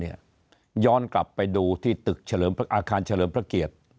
ย้อนกลับไปดูที่ตึกอาคารเฉลิมพระเกียรติ